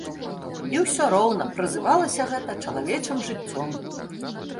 І ўсё роўна празывалася гэта чалавечым жыццём.